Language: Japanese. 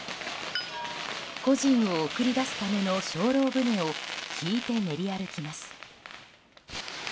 故人を送り出すための精霊船を引いて練り歩きます。